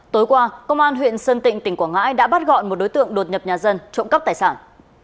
tối qua công an huyện sơn tịnh tỉnh quảng ngãi đã bắt gọn một đối tượng đột nhập nhà dân trộm cắp tài sản